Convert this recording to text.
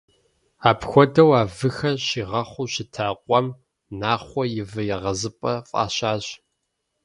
Апхуэдэу, а выхэр щигъэхъуу щыта къуэм «Нахъуэ и вы егъэзыпӏэ» фӏащащ.